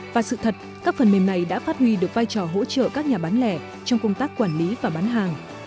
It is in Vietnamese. và sự thật các phần mềm này đã phát huy được vai trò hỗ trợ các nhà bán lẻ trong công tác quản lý và bán hàng